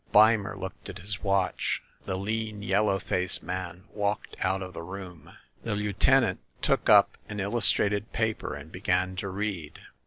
Beimer looked at his watch. The lean yellow faced man walked out of the room. The lieutenant took up an illustrated paper and began to read.